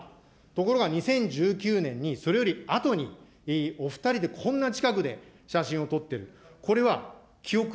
ところが２０１９年に、それよりあとにお２人でこんな近くで写真を撮っている。